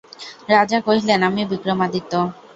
রাজা কহিলেন, আমি বিক্রমাদিত্য।